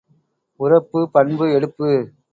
உரப்பு, பண்பு, எடுப்பு.